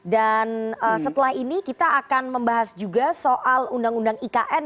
dan setelah ini kita akan membahas juga soal undang undang ikn